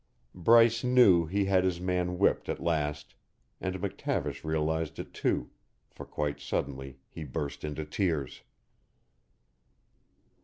Bryce knew he had his man whipped at last, and McTavish realized it, too, for quite suddenly he burst into tears.